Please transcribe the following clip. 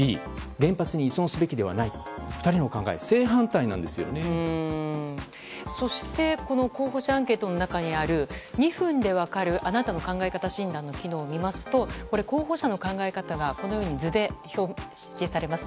原発に依存するべきではないとそして候補者アンケートの中にある２分で分かるあなたの考え方診断の機能を見ますと候補者の考え方が図で表示されます。